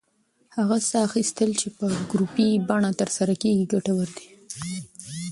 هغه ساه اخیستل چې په ګروپي بڼه ترسره کېږي، ګټور دی.